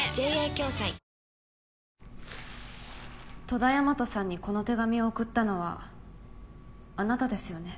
戸田大和さんにこの手紙を送ったのはあなたですよね？